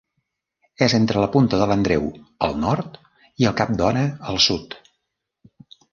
És entre la Punta de l'Andreu, al nord, i el Cap d'Ona, al sud.